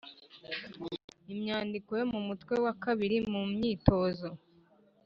imyandiko yo mu mutwe wa kabiri mu mwitozo